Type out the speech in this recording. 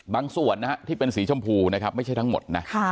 ส่วนนะฮะที่เป็นสีชมพูนะครับไม่ใช่ทั้งหมดนะ